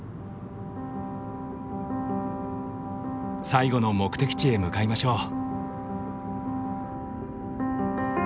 最後の目的地へ向かいましょう。